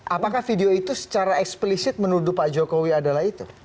apakah video itu secara eksplisit menuduh pak jokowi adalah itu